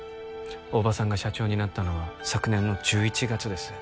大庭さんが社長になったのは昨年の１１月です